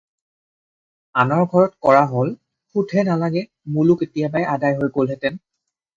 আনৰ ঘৰত কৰা হ'ল সুতহে নালাগে মূলো কেতিয়াবাই আদায় হৈ গ'লহেঁতেন।